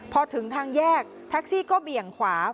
พอถึงทางแยกแท็กซี่ก็เบี่ยงขวา